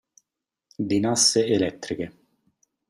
Di nasse elettriche.